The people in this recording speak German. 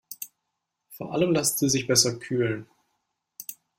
Vor allem lassen sie sich besser kühlen.